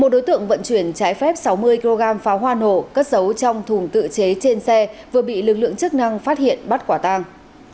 một đối tượng vận chuyển trái phép sáu mươi kg pháo hoa nổ cất dấu trong thùng tự chế trên xe vừa bị lực lượng chức năng phát hiện bắt quả tàng